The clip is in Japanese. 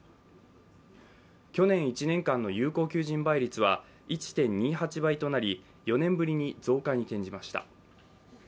去年１年間の有効求人倍率は１．２８倍となり、４年ぶりに増加に転じました。